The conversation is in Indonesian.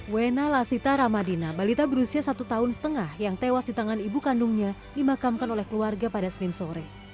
wena lasita ramadina balita berusia satu tahun setengah yang tewas di tangan ibu kandungnya dimakamkan oleh keluarga pada senin sore